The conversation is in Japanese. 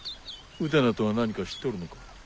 「うてな」とは何か知っておるのか？